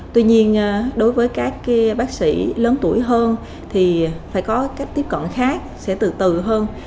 tuy nhiên đối với các bác sĩ lớn tuổi hơn thì phải có cách tiếp cận khác sẽ từ từ hơn